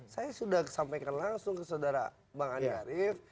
saya sudah sampaikan langsung ke saudara bang andi arief